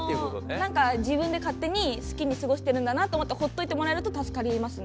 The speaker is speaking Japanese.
なんか自分で勝手に好きに過ごしてるんだなと思って放っといてもらえると助かりますね。